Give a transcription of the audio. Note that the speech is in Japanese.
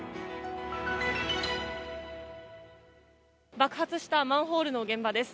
爆発したマンホールの現場です。